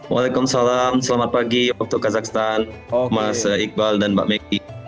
waalaikumsalam selamat pagi waktu kazahstan mas iqbal dan mbak mekki